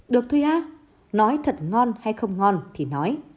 được thôi á nói thật ngon hay không ngon thì nói